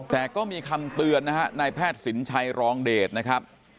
แต่ก็มีคำเตือนนะฮะนายแพทย์สินชัยรองเดชนะครับ